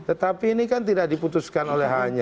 tetapi ini kan tidak diputuskan oleh hanya